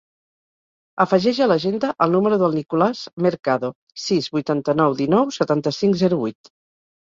Afegeix a l'agenda el número del Nicolàs Mercado: sis, vuitanta-nou, dinou, setanta-cinc, zero, vuit.